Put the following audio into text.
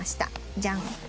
ジャン！